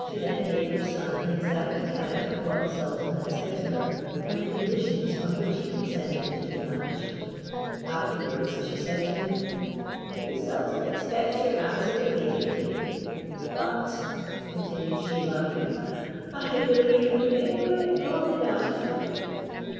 She then gave her son an exact account of what the sultan had said to her, and the conditions on which he consented to the match. Afterwards she said to him, "The sultan expects your answer immediately; but," continued she, laughing, "I believe he may wait long enough."